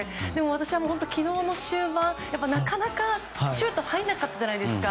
私は昨日の終盤なかなかシュートが入らなかったじゃないですか。